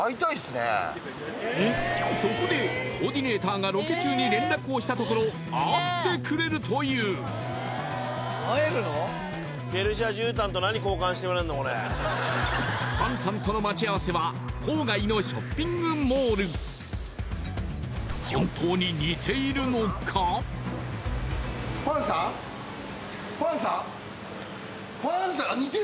そこでコーディネーターがロケ中に連絡をしたところ会ってくれるというファンさんとの待ち合わせは郊外のショッピングモールファンさん？